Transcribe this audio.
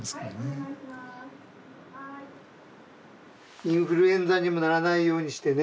インフルエンザにもならないようにしてね。